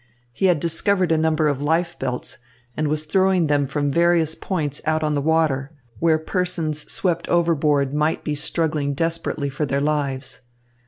He had discovered a number of life belts and was throwing them from various points out on the water, where persons swept overboard might be struggling desperately for their lives.